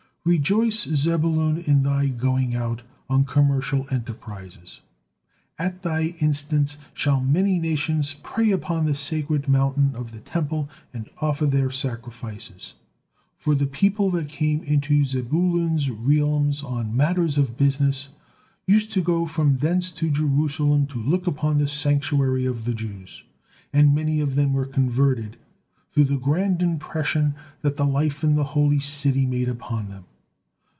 "'Rejoice, Zebulun, in thy going out' on commercial enterprises; at thy instance shall many nations pray upon the sacred mountain of the Temple and offer their sacrifices." For the people that came into Zebulun's realms on matters of business used to go from thence to Jerusalem to look upon the sanctuary of the Jews, and many of them were converted through the grand impression that the life in the holy city made upon them.